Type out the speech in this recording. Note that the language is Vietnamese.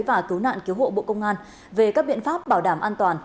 và cứu nạn cứu hộ bộ công an về các biện pháp bảo đảm an toàn